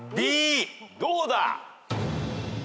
どうだ？